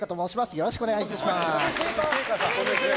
よろしくお願いします。